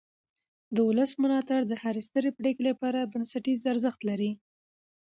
د ولس ملاتړ د هرې سترې پرېکړې لپاره بنسټیز ارزښت لري